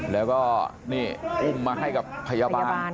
แล้วก็นี่อุ้มมาให้กับพยาบาล